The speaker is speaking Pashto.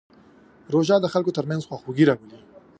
روژه د خلکو ترمنځ خواخوږي راولي.